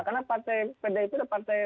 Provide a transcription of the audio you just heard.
karena pdip itu adalah partai